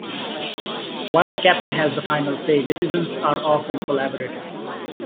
While the captain has the final say, decisions are often collaborative.